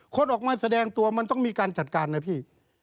คนออกมาแสดงตัวมันต้องมีการจัดการนะพี่